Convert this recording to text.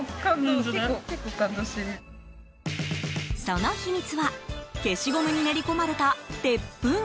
その秘密は消しゴムに練り込まれた鉄粉。